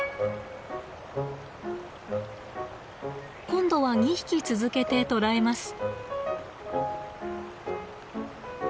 今度は２匹続けて捕らえます。